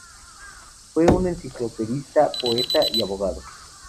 Fue un enciclopedista, poeta y abogado.